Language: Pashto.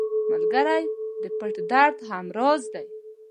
ملګری د پټ درد هم راز دی